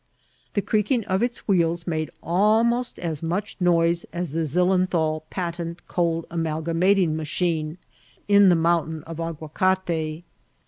The creaking of its wheels made al most as much noise as the Zillenthal Patent Cold Amal gamating Machine in the mountain of Aguacate.